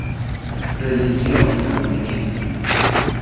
Religiós dominic.